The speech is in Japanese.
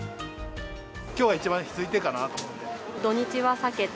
きょうは一番空いてるかなと思って。